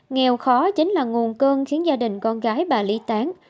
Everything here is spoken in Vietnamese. nghèo khó chính là nguồn cơn khiến gia đình con gái bà ly tán